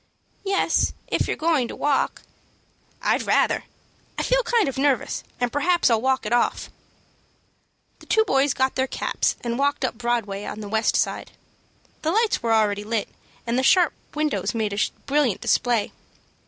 "Yes, if you're going to walk." "I'd rather. I feel kind of nervous, and perhaps I'll walk it off." The two boys got their caps, and walked up Broadway on the west side. The lights were already lit, and the shop windows made a brilliant display.